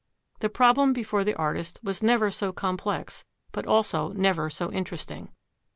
The problem before the artist was never so complex, but also never so interesting.